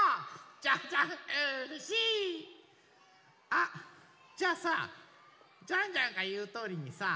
あっじゃあさジャンジャンがいうとおりにさ